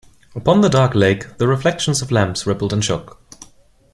Upon the dark lake the reflections of lamps rippled and shook.